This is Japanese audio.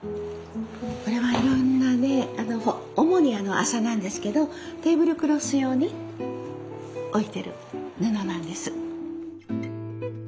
これはいろんなね主に麻なんですけどテーブルクロス用に置いてる布なんです。